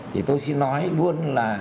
thì tôi xin nói luôn là